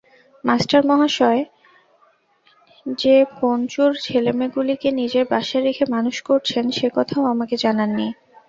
মাস্টারমশায় যে পঞ্চুর ছেলেমেয়েগুলিকে নিজের বাসায় রেখে মানুষ করছেন সে কথাও আমাকে জানান নি।